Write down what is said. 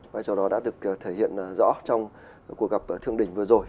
vai trò đó đã được thể hiện rõ trong cuộc gặp thượng đỉnh vừa rồi